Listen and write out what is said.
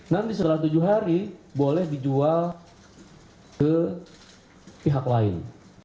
nanti setelah tujuh hari boleh dijual ke pihak lain